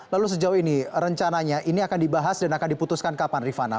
lalu sejauh ini rencananya ini akan dibahas dan akan diputuskan kapan rifana